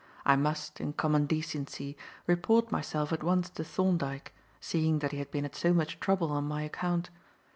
I must, in common decency, report myself at once to Thorndyke, seeing that he had been at so much trouble on my account.